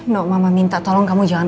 no mama minta tolong kamu jangan